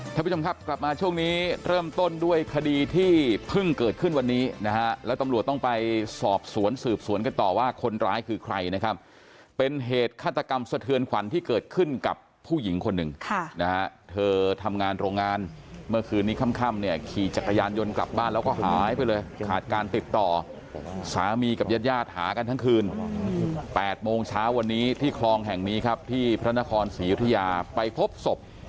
ท่านผู้ชมครับกลับมาช่วงนี้เริ่มต้นด้วยคดีที่เพิ่งเกิดขึ้นวันนี้นะฮะแล้วตำรวจต้องไปสอบสวนสืบสวนกันต่อว่าคนร้ายคือใครนะครับเป็นเหตุฆาตกรรมสะเทือนขวัญที่เกิดขึ้นกับผู้หญิงคนหนึ่งค่ะนะฮะเธอทำงานโรงงานเมื่อคืนนี้ค่ำค่ำเนี่ยขี่จักรยานยนต์กลับบ้านแล้วก็หายไปเลยขาดการติดต่